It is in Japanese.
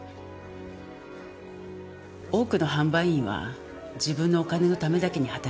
多くの販売員は自分のお金のためだけに働いてる。